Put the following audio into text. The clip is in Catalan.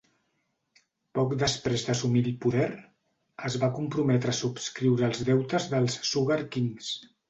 Poc després d'assumir el poder, es va comprometre a subscriure els deutes dels Sugar Kings.